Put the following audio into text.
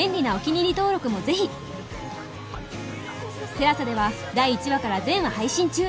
ＴＥＬＡＳＡ では第１話から全話配信中